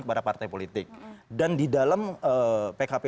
kepada partai politik dan di dalam pkp